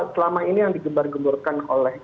selama ini yang digembar gemburkan oleh